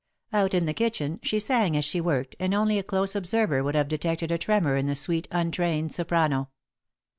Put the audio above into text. Out in the kitchen, she sang as she worked, and only a close observer would have detected a tremor in the sweet, untrained soprano.